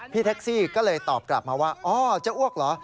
แท็กซี่ก็เลยตอบกลับมาว่าอ๋อจะอ้วกเหรอ